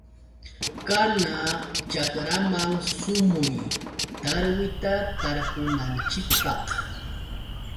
Kana chakraman sumuy. Tarwita tarpunanchikpaq.